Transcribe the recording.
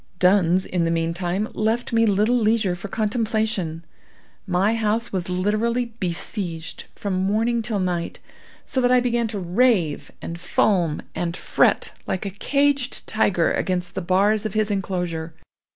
Duns, in the meantime, left me little leisure for contemplation. My house was literally besieged from morning till night, so that I began to rave, and foam, and fret like a caged tiger against the bars of his enclosure.